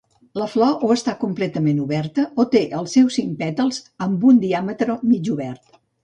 La flor o està completament oberta o té els seus cinc pètals amb un diàmetre mig obert.